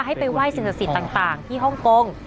ให้ไปไหว้สิ่งศาสิตต่างที่ฮ่องกง